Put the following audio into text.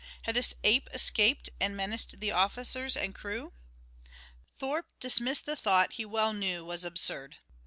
Had this ape escaped and menaced the officers and crew? Thorpe dismissed the thought he well knew was absurd.